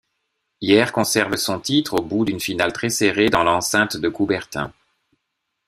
Hyères conserve son titre au bout d'une finale très serrée dans l'enceinte de Coubertin.